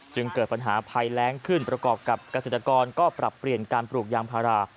เกิดปัญหาภัยแรงขึ้นประกอบกับเกษตรกรก็ปรับเปลี่ยนการปลูกยางพารา